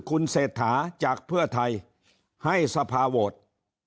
คุณเศรษฐาจากเพื่อไทยให้สภาโหวต